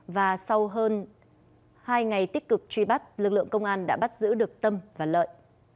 và sau hơn hai ngày tích cực truy bắt lực lượng công an đã bắt giữ được tâm và lợi